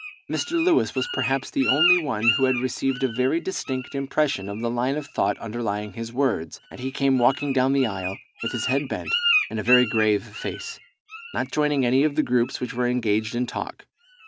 Mr. Lewis was perhaps the only one who had received a very distinct impression of the line of thought underlying his words, and he came walking down the aisle with his head bent and a very grave face, not joining any of the groups which were engaged in talk.